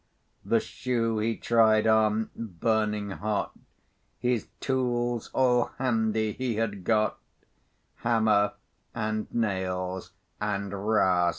The shoe he tried on, burning hot, His tools all handy he had got, Hammer, and nails, and rasp.